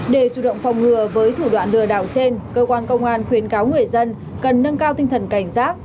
để chủ động phòng ngừa với thủ đoạn lừa đảo trên cơ quan công an khuyến cáo người dân cần nâng cao tinh thần cảnh giác